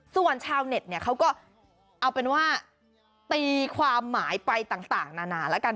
ส่วนชาวเน็ตเนี่ยเขาก็เอาเป็นว่าตีความหมายไปต่างนานาแล้วกัน